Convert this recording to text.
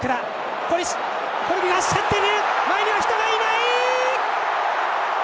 前には人がいない！